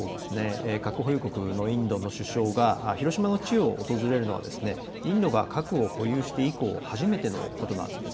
核保有国のインドの首相が広島の地を訪れるのはインドが核を保有して以降、初めてのことなんです。